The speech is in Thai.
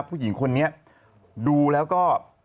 ผู้หญิงคนนี้ดูแล้วก็